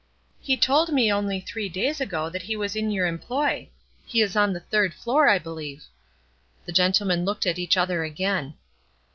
"He told me only three days ago that he was in your employ. He is on the third floor, I believe." The gentlemen looked at each other again.